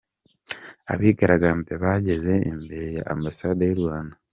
Abigaragambya bageze imbere ya Ambasade y’u Rwanda.